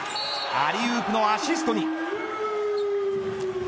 アリウープのアシストに。